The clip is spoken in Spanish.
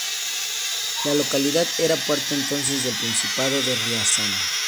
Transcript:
La localidad era parte entonces del principado de Riazán.